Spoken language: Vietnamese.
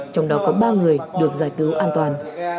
trong đó có ba người được giải cứu an toàn